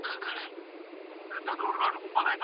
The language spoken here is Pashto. د تشخیص دمخه درملنه ښې پايلې ورکوي.